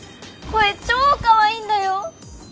声ちょかわいいんだよ！